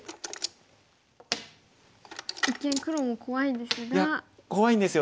一見黒も怖いですが。